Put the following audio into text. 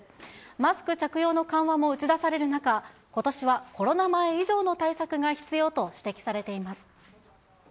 マスク着用の緩和も打ち出される中、ことしはコロナ前以上の対策が必要と指摘されています。